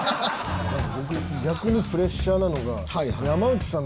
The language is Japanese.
僕逆にプレッシャーなのが。